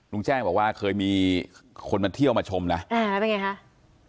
ลุงแจ้งบอกว่าเคยมีคนมาเที่ยวมาชมนะอ่าแล้วเป็นไงคะ